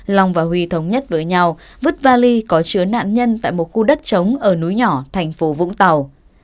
long và huy thống nhất với nhau vứt vali có chứa nạn nhân tại một khu đất trống ở núi nhỏ thành phố vũng tàu